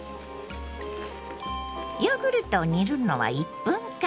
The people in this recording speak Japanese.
ヨーグルトを煮るのは１分間。